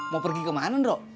mau pergi kemana ndrok